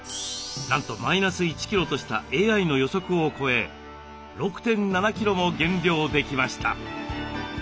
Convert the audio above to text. なんとマイナス１キロとしたＡＩの予測を超え６．７キロも減量できました。